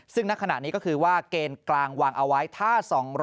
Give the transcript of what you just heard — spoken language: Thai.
ซึ่งณขณะนี้ก็คือว่าเกณฑ์กลางวางเอาไว้ถ้า๒๐๐